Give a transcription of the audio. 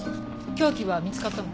凶器は見つかったの？